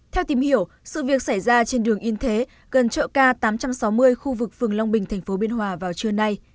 theo tìm hiểu sự việc xảy ra trên đường yên thế gần chợ k tám trăm sáu mươi khu vực phường long bình tp biên hòa vào trưa nay